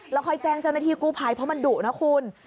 แล้วค่อยแจ้งเจ้าหน้าที่กู้ภัยเพราะมันดุนะคุณ